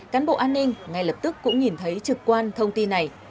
cán bộ an ninh ngay lập tức cũng nhìn thấy trực quan thông tin này